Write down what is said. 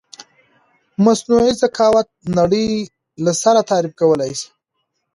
مثنوعې زکاوت نړی له سره تعریف کولای شې